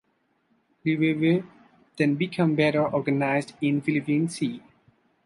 Liwayway then became better organized in the Philippine Sea.